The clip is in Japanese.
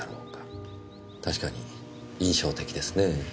確かに印象的ですねぇ。